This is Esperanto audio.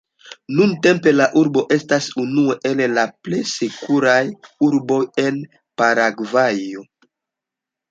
Nuntempe la urbo estas unu el la plej sekuraj urboj en Paragvajo.